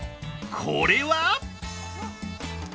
これは？